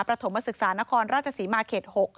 ประถมศึกษานครราชสีมาเขต๖